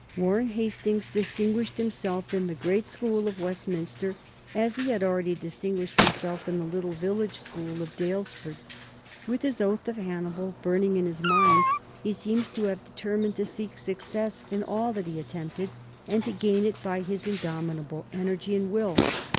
Warren Hastings distinguished himself in the great school of Westminster, as he had already distinguished himself in the little village school of Daylesford. With his oath of Hannibal burning in his mind, he seems to have determined to seek success in all that he attempted, and to gain it by his indomitable energy and will.